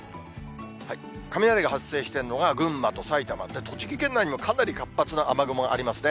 雷が発生しているのが、群馬と埼玉、栃木県内にもかなり活発な雨雲がありますね。